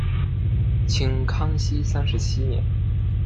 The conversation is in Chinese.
清康熙三十七年。